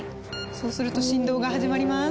そうすると振動が始まります。